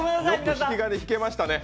よく引き金、ひけましたね。